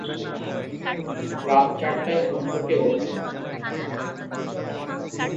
রাত চারটায় ঘুম থেকে ওঠেন।